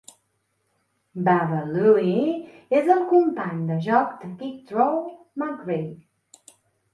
Baba Looey és el company de joc de Quick Draw McGraw.